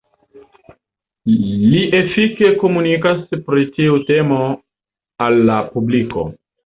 Li efike komunikas pri tiu temo al la publiko.